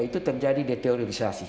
itu terjadi deteriorisasi